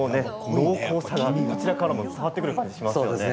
濃厚さが、こちらからも伝わってくる感じがしますね。